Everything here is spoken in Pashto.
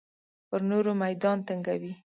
پر نورو میدان تنګوي.